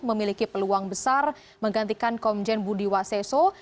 memiliki peluang besar menggantikan komjen budiwaseso